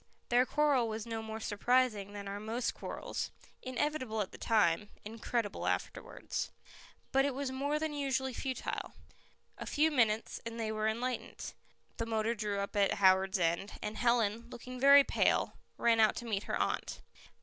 Their quarrel was no more surprising than are most quarrels inevitable at the time, incredible afterwards. But it was more than usually futile. A few minutes, and they were enlightened. The motor drew up at Howards End, and Helen, looking very pale, ran out to meet her aunt.